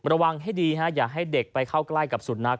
ระวังให้ดีอย่าให้เด็กไปเข้าใกล้กับสุนัข